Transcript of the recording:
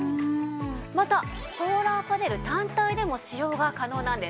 またソーラーパネル単体でも使用が可能なんです。